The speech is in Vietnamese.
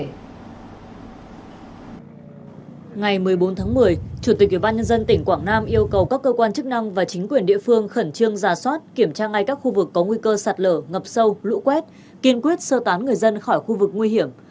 ngày một mươi bốn tháng một mươi chủ tịch ủy ban nhân dân tỉnh quảng nam yêu cầu các cơ quan chức năng và chính quyền địa phương khẩn trương giả soát kiểm tra ngay các khu vực có nguy cơ sạt lở ngập sâu lũ quét kiên quyết sơ tán người dân khỏi khu vực nguy hiểm